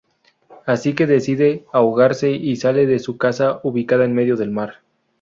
Así que decide ahogarse y sale de su casa ubicada en medio del mar.